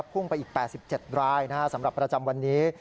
พุ่งไปอีก๘๗รายสำหรับประจำวันนี้